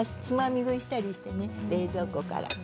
つまみ食いしたりしてね冷蔵庫から。